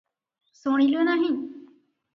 ଶୁଣିଲୁ ନାହିଁ ।